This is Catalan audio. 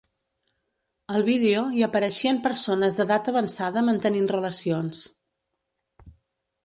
Al vídeo hi apareixien persones d'edat avançada mantenint relacions.